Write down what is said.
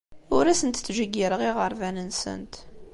Ur asent-ttjeyyireɣ iɣerban-nsent.